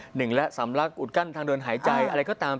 หนึ่งและสำลักอุดกั้นทางเดินหายใจอะไรก็ตาม